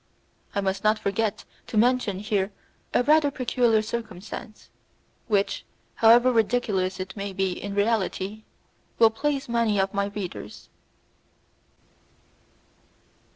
I must not forget to mention here a rather peculiar circumstance, which, however ridiculous it may be in reality, will please many of my readers.